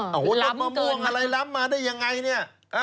อ๋อล้ำเกินโอ้โฮต้นมะม่วงอะไรล้ำมาได้อย่างไรเนี่ย